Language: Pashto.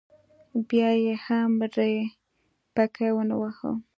بیا یې هم ری پکې ونه واهه.